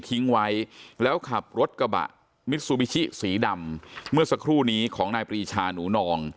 ทิ้งไว้แล้วขับรถกระบะมิซูบิชิสีดำเมื่อสักครู่นี้ของนายปรีชาหนูนอง